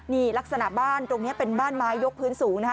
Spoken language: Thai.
นี่ลักษณะบ้านตรงนี้เป็นบ้านไม้ยกพื้นสูงนะฮะ